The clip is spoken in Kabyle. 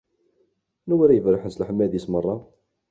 Anwa ara iberrḥen s leḥmadi-s merra?